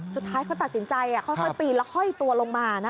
สุดท้ายเขาตัดสินใจค่อยปีนแล้วห้อยตัวลงมา